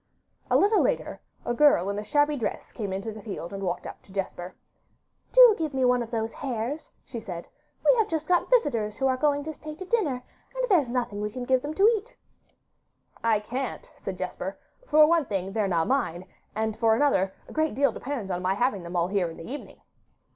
A little later, a girl in a shabby dress came into the field and walked up to Jesper. 'Do give me one of those hares,' she said; 'we have just got visitors who are going to stay to dinner, and there's nothing we can give them to eat.' 'I can't,' said Jesper. 'For one thing, they're not mine; for another, a great deal depends on my having them all here in the evening.